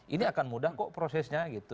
ini akan mudah kok prosesnya gitu